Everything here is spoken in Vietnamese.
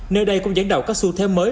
nơi đây cũng dẫn đầu các xu thế mới